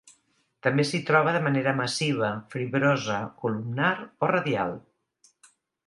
També s'hi troba de manera massiva, fibrosa columnar o radial.